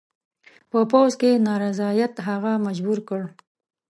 په پوځ کې نارضاییت هغه مجبور کړ.